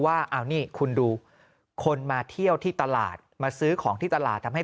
ว่าเอานี่คุณดูคนมาเที่ยวที่ตลาดมาซื้อของที่ตลาดทำให้